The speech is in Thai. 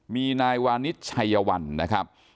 มีนายวานิสชัยวันนะครับ